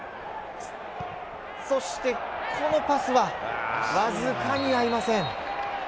そしてこのパスはわずかに合いません。